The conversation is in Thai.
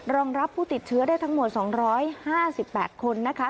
รองรับผู้ติดเชื้อได้ทั้งหมด๒๕๘คนนะคะ